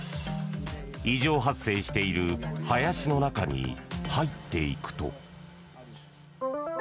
異常発生している林の中に入っていくと。